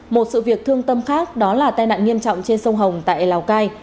một sự việc thương tâm khác đó là tai nạn nghiêm trọng trên sông hồng tại lào cai